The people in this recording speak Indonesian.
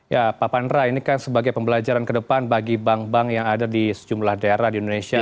ya pak pandra ini kan sebagai pembelajaran ke depan bagi bank bank yang ada di sejumlah daerah di indonesia